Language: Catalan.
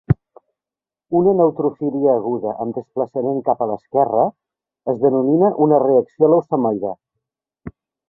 Una neutrofília aguda amb desplaçament cap a l'esquerra es denomina una reacció leucemoide.